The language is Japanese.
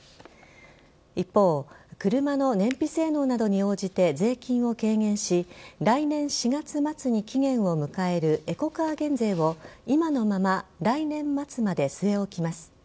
一方、車の燃費性能などに応じて税金を軽減し来年４月末に期限を迎えるエコカー減税を今のまま来年末まで据え置きます。